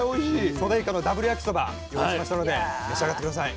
「ソデイカのダブル焼きそば」用意しましたので召し上がって下さい。